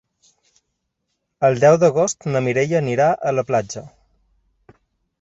El deu d'agost na Mireia anirà a la platja.